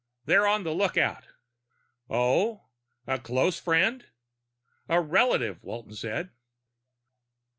"They're on the lookout." "Oh? A close friend?" "A relative," Walton said.